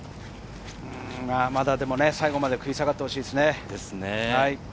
まだ、でも最後まで食い下がってほしいですね。